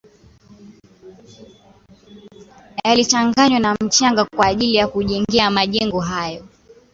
yalichanganywa na mchanga kwa ajili ya kujengea majengo hayo